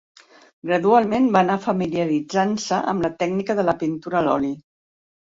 Gradualment va anar familiaritzant-se amb la tècnica de la pintura a l'oli.